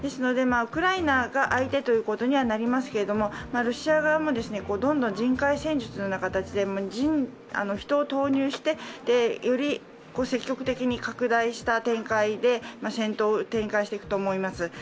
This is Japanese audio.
ウクライナが相手ということにはなりますけれども、ロシア側もどんどん人海戦術のような形で、人を投入して、より積極的に拡大した展開で戦闘を展開していくと思います。